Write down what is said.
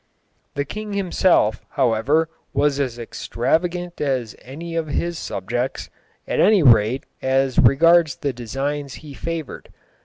The king himself, however, was as extravagant as any of his subjects, at any rate as regards the designs he favoured.